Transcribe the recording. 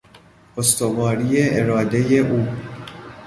استواری ارادهی او